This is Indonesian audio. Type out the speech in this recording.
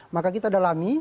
maka kita dalami